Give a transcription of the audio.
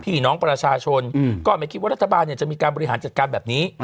พี่น้องประชาชนก็ไม่คิดว่ารัฐบาลจะมีการบริหารจัดการแบบนี้